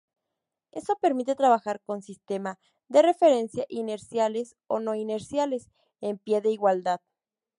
Eso permite trabajar con sistema de referencia inerciales o no-inerciales en pie de igualdad.